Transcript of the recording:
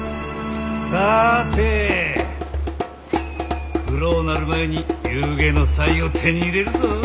さて暗うなる前に夕げの菜を手に入れるぞ！